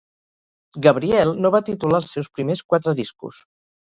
Gabriel no va titular els seus primers quatre discos.